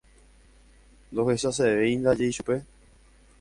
Ndohechasevéindaje ichupe.